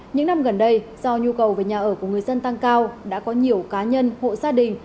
những năm gần đây do nhu cầu về nhà ở của người dân tăng cao đã có nhiều cá nhân hộ gia đình